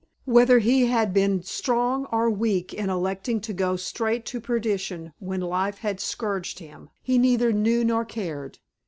Whether he had been strong or weak in electing to go straight to perdition when Life had scourged him, he neither knew nor cared.